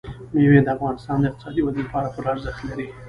مېوې د افغانستان د اقتصادي ودې لپاره پوره ارزښت لري.